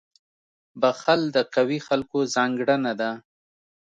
• بخښل د قوي خلکو ځانګړنه ده.